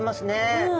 うん。